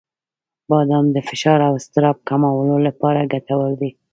• بادام د فشار او اضطراب کمولو لپاره ګټور دي.